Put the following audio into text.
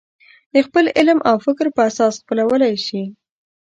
د خپل علم او فکر په اساس خپلولی شي.